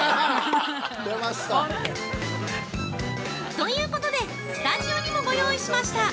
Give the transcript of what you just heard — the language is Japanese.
◆ということで、スタジオにもご用意しました。